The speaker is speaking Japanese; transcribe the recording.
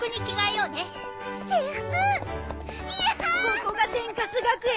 ここが天カス学園！